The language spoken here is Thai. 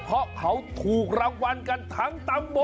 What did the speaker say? เพราะเขาถูกรางวัลกันทั้งตำบล